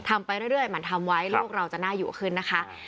ไปเรื่อยเหมือนทำไว้ลูกเราจะน่าอยู่ขึ้นนะคะ